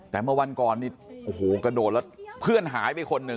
แต่เมื่อวันก่อนกระโดดแล้วเพื่อนหายไปคนนี้